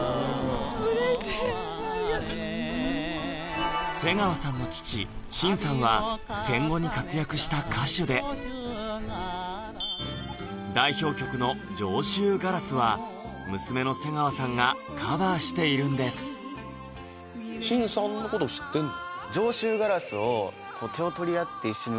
うれしいありがとう瀬川さんの父・伸さんは戦後に活躍した歌手で代表曲の「上州鴉」は娘の瀬川さんがカバーしているんです伸さんのこと知ってんの？